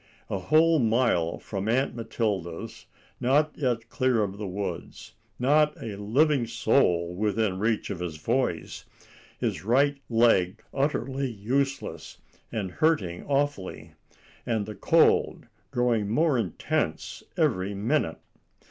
A whole mile from Aunt Matilda's, not yet clear of the woods, not a living soul within reach of his voice, his right leg utterly useless and hurting awfully, and the cold growing more intense every minute!